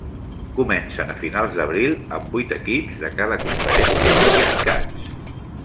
Comencen a finals d'abril, amb vuit equips de cada conferència classificats.